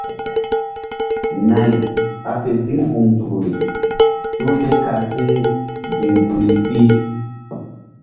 Nay ɓa fe ziŋna nzukri suhze kal si ziŋ duli pi.